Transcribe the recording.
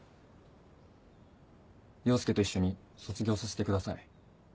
陽介と一緒に卒業させてください。